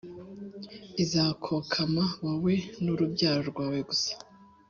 izakokama wowe n’urubyaro rwawe, gusa